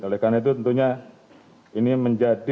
oleh karena itu tentunya ini menjadi